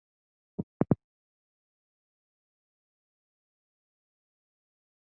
Cosecha con rendimiento productivo mediano y periodo de cosecha mediano.